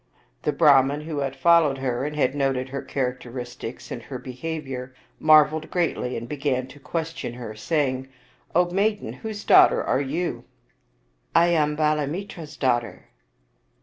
The Brahman, who had followed her, and had noted her charac teristics and her behavior, marveled greatly and began to question her, saying: " O maiden, whose daughter are you ?"" I am Balamitra's daughter."